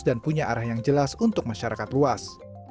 dan punya arah yang jelas untuk masyarakat luas